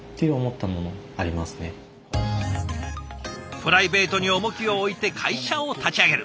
プライベートに重きを置いて会社を立ち上げる。